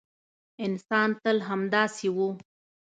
انسان تل همداسې و.